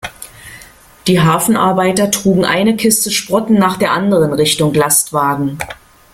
Die Hafenarbeiter trugen eine Kiste Sprotten nach der anderen Richtung Lastwagen.